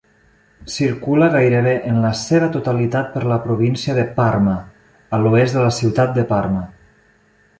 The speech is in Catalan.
Circula gairebé en la seva totalitat per la província de Parma, a l'oest de la ciutat de Parma.